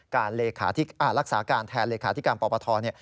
และรักษาการแทนเลขาที่การปศ